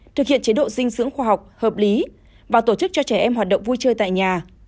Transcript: thực hiện chế độ dinh dưỡng khoa học hợp lý và tổ chức cho trẻ em hoạt động vui chơi tại nhà